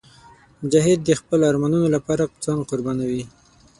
مجاهد د خپلو ارمانونو لپاره ځان قربانوي.